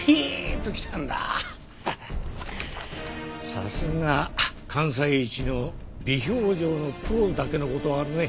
さすが関西一の微表情のプロだけの事はあるね。